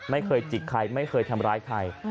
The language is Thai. ไม่เคยจิกใครไม่เคยทำร้ายใคร